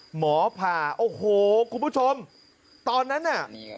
หมอผ่าโอ้โหคุณผู้ชมตอนนั้นน่ะ